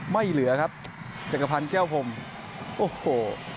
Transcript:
ไม่เหลือครับจักรพันธ์แก้วพรมโอ้โห